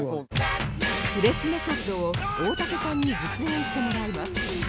プレスメソッドを大竹さんに実演してもらいます